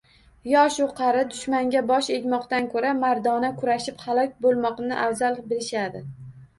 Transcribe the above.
Yoshu-qari dushmanga bosh egmoqdan koʻra, mardona kurashib halok boʻlmoqlikni afzal bilishadi.